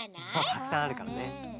たくさんあるからね。